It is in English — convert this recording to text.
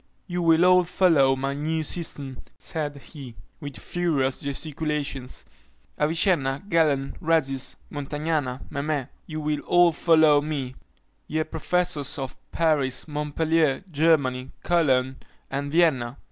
"You will all follow my new system," said he, with furious gesticulations, "Avicenna, Galen, Rhazis, Montagnana, Memé, you will all follow me, ye professors of Paris, Montpellier, Germany, Cologne, and Vienna!